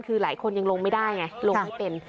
คือหลายคนยังลงไม่ได้ไงลงไม่เป็น